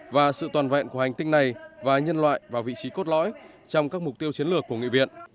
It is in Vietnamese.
và sự toàn vẹn của hành tinh này và nhân loại vào vị trí cốt lõi trong các mục tiêu chiến lược của nghị viện